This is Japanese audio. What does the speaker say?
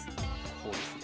こうですね？